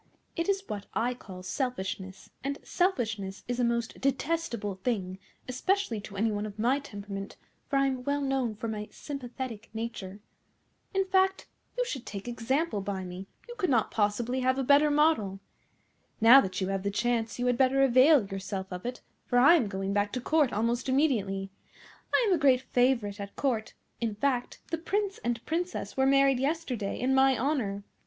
It is what I call selfishness, and selfishness is a most detestable thing, especially to any one of my temperament, for I am well known for my sympathetic nature. In fact, you should take example by me; you could not possibly have a better model. Now that you have the chance you had better avail yourself of it, for I am going back to Court almost immediately. I am a great favourite at Court; in fact, the Prince and Princess were married yesterday in my honour.